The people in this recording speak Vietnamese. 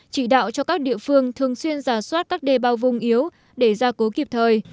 chỉ đạo cho các địa phương thường xuyên giả soát các đề bao vùng yếu để ra cố kịp thời